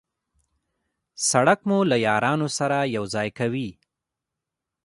سړک مو له یارانو سره یو ځای کوي.